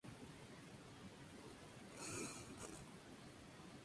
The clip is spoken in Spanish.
Era por otra parte igualmente hermano de la actriz Linden Travers.